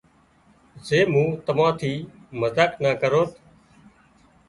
زي مُون تمان ٿِي مزاق نا ڪروت